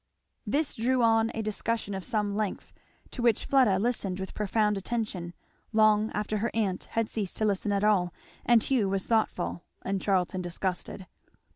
This drew on a discussion of some length, to which Fleda listened with profound attention, long after her aunt had ceased to listen at all, and Hugh was thoughtful, and Charlton disgusted.